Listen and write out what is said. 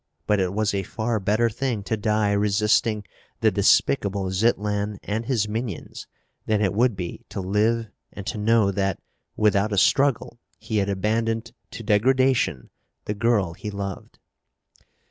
But it was a far better thing to die resisting the despicable Zitlan and his minions than it would be to live and to know that, without a struggle, he had abandoned to degradation the girl he loved.